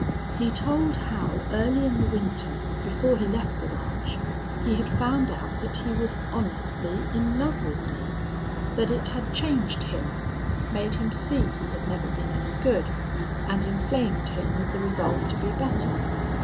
He told how early in the winter, before he left the ranch, he had found out that he was honestly in love with me. That it had changed him made him see he had never been any good and inflamed him with the resolve to be better.